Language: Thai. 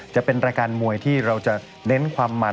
จะเป็นรายการมวยที่เราจะเน้นความมัน